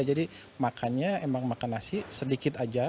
jadi makannya emang makan nasi sedikit aja